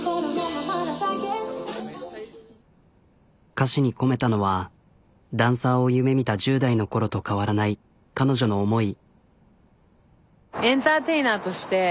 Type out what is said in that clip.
歌詞に込めたのはダンサーを夢みた１０代の頃と変わらない彼女の思い。